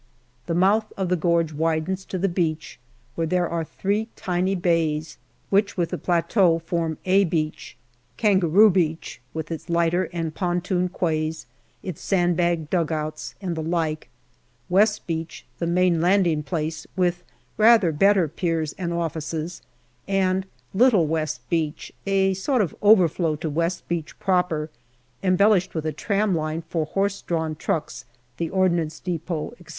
The mouth of the gorge widens to the beach, where there are three tiny bays, which with the plateau form " A " Beach : Kangaroo Beach, with its lighter and pontoon quays, its sand bagged dugouts, and the like ; West Beach the main landing place, with rather better piers and offices ; and Little West Beach, a sort of overflow to West Beach proper, embellished with a tram line for horse drawn trucks, the Ordnance depot, etc.